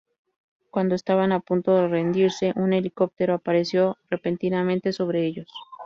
Cuando estaban a punto de rendirse, un helicóptero apareció repentinamente sobre ellos.